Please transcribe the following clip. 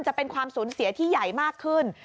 จะเป็นความสูญเสียที่ใหญ่มากขึ้น